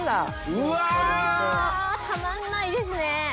うわたまんないですね。